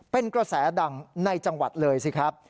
เป็นกระแสดังในจังหวัดเลยสิครับ